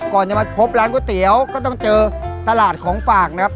ก่อนจะมาพบร้านก๋วยเตี๋ยวก็ต้องเจอตลาดของฝากนะครับ